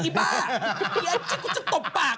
ไอ้อีบ้าชิกก็จะตบปาก